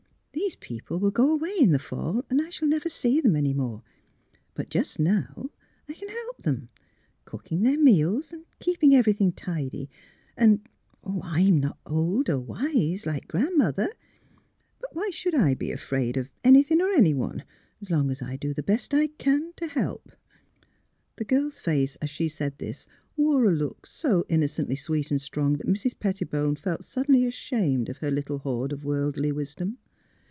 These people will go away in the fall, and I shall never see them any more. Bnt just now I can help them — cooking their meals and keeping everything tidy, and — Oh, I'm not old or wise, like Gran 'mother; but why should I be afraid of — anything or anyone — as long as I do the best I can — to help 1 '' The girl's face as she said this wore a look so innocently sweet and strong that Mrs. Pettibone felt suddenly ashamed of her little horde of worldly wisdom.